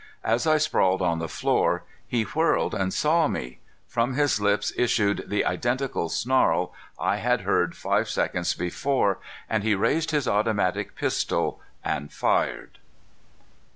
As I sprawled on the floor he whirled and saw me. From his lips issued the identical snarl I had heard five seconds before, and he raised his automatic pistol and fired!